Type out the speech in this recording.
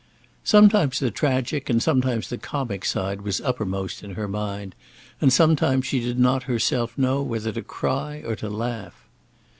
Sometimes the tragic and sometimes the comic side was uppermost in her mind, and sometimes she did not herself know whether to cry or to laugh.